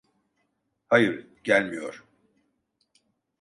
Hayır, gelmiyor.